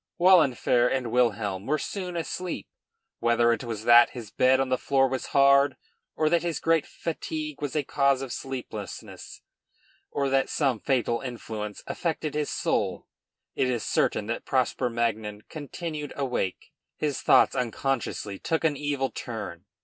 Wahlenfer and Wilhelm were soon asleep. Whether it was that his bed on the floor was hard, or that his great fatigue was a cause of sleeplessness, or that some fatal influence affected his soul, it is certain that Prosper Magnan continued awake. His thoughts unconsciously took an evil turn.